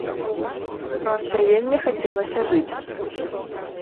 Проста вельмі хацелася жыць.